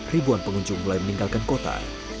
ribuan pengunjung mulai meninggalkan kota